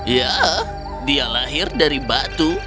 ya dia lahir dari batu